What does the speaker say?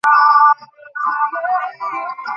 তিনি যুক্তরাষ্ট্রে চলে যান এবং পরে সেখানেই স্থায়ী হন।